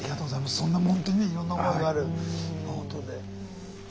そんなほんとにねいろんな思いのあるノートで。